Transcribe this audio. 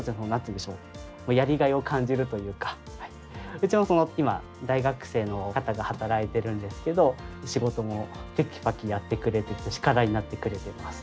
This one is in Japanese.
うちも今、大学生の方が働いているんですけど仕事もテキパキやってくれていて力になってくれています。